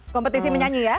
kompetisi menyanyi ya